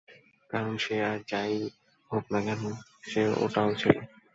কারণ সে আর যা-ই হউক না কেন, সে ওটাও ছিল।